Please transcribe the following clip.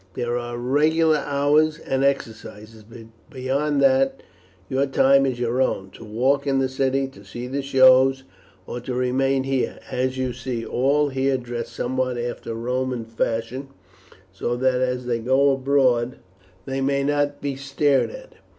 There are regular hours and exercises; but beyond that your time is your own, to walk in the city, to see the shows, or to remain here. As you see, all here dress somewhat after Roman fashion, so that as they go abroad they may not be stared at.